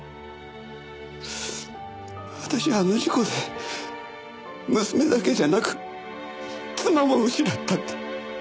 私はあの事故で娘だけじゃなく妻も失ったんだ。